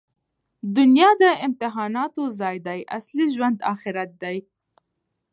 دونیا د امتحاناتو ځای دئ. اصلي ژوند آخرت دئ.